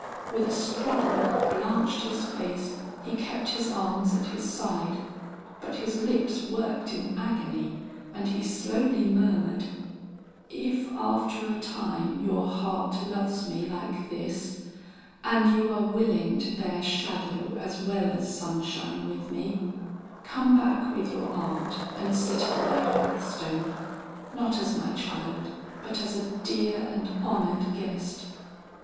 With a struggle that blanched his face, he kept his arms at his side, but his lips worked in agony, and he slowly murmured, "If after a time your heart loves me like this, and you are willing to bear shadow as well as sunshine with me, come back with your aunt and sit at my hearthstone, not as my child but as a dear and honored guest.